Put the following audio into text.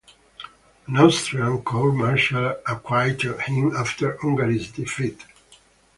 An Austrian court martial acquitted him after Hungary's defeat.